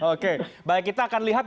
oke baik kita akan lihat